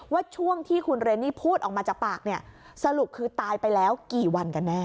ช่วงที่คุณเรนนี่พูดออกมาจากปากเนี่ยสรุปคือตายไปแล้วกี่วันกันแน่